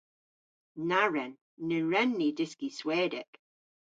Na wren. Ny wren ni dyski Swedek.